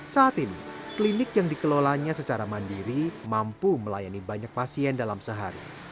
saat ini klinik yang dikelolanya secara mandiri mampu melayani banyak pasien dalam sehari